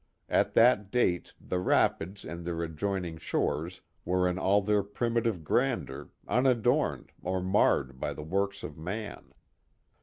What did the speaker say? At that date the rapids and their adjoining shores were in all their primitive grandeur, unadorned or marred by the works oE man.